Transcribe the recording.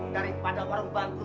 daripada warung bantus